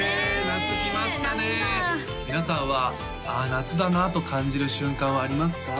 夏だ皆さんは「ああ夏だな」と感じる瞬間はありますか？